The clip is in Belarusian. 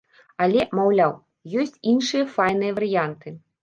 Але, маўляў, ёсць іншыя файныя варыянты.